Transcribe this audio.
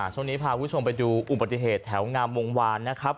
ช่วงนี้พาคุณผู้ชมไปดูอุบัติเหตุแถวงามวงวานนะครับ